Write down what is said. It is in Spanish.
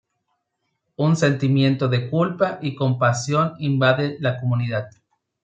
Un sentimiento de culpa y compasión invade la comunidad.